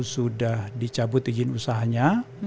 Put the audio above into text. sudah dicabut izin usahanya